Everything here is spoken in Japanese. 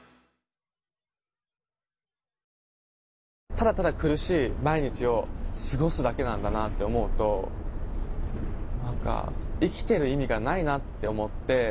「ただただ苦しい毎日を過ごすだけなんだなって思うと何か生きてる意味がないなって思って」。